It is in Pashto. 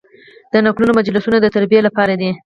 د نکلونو مجلسونه د تربیې لپاره دي.